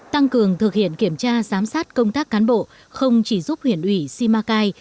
tăng cường thực hiện kiểm tra giám sát công tác cán bộ không chỉ giúp huyện ủy simacai